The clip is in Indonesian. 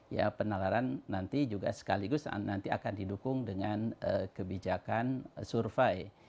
ya penalaran nanti juga sekaligus nanti akan didukung dengan kebijakan survei